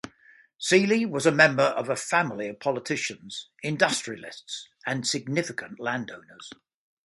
Seely was a member of a family of politicians, industrialists and significant landowners.